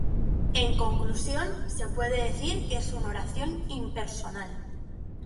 En conclusión, se puede decir que es una oración impersonal.